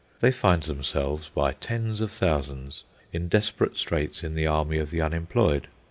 They find themselves, by tens of thousands, in desperate straits in the army of the unemployed.